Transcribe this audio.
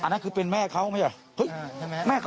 อันนั้นคือเป็นแม่เขาใช่ไหม